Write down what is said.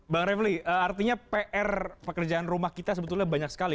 bang refli artinya pr pekerjaan rumah kita sebetulnya banyak sekali